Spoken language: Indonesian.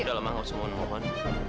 sudahlah ma usul mohon mohon